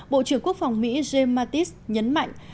bộ trưởng quốc phòng mỹ james mattis nhấn mạnh